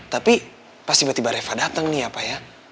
tapi pas tiba tiba reva datang nih ya pak ya